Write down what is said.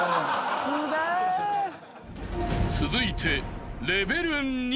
［続いて］